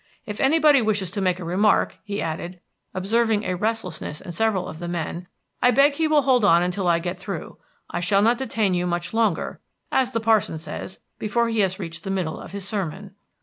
If anybody wishes to make a remark," he added, observing a restlessness in several of the men, "I beg he will hold on until I get through. I shall not detain you much longer, as the parson says before he has reached the middle of his sermon.